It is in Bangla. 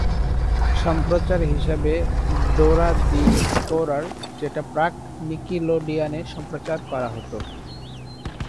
সম্প্রচার হিসাবে ডোরা দি এক্সপ্লোরার যেটা প্রাক-নিকিলোডিয়ানে সম্প্রচার করা হতো।